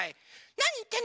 なにいってんの！